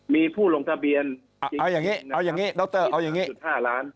มีผู้ลงทะเบียนเอาอย่างนี้เอาอย่างนี้ดรเอาอย่างนี้๑๕ล้าน